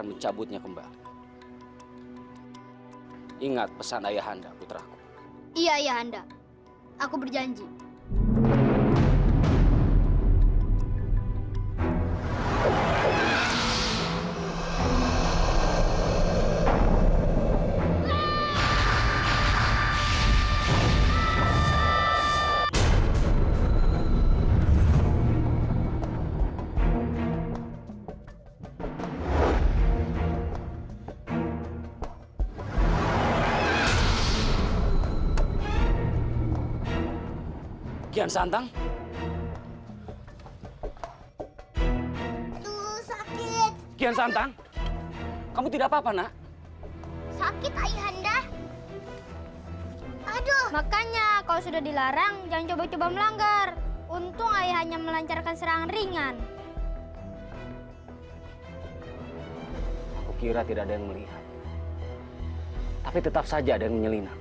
niat saja dilarang